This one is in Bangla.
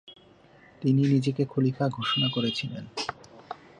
তিনি নিজেকে খলিফা ঘোষণা করেছিলেন।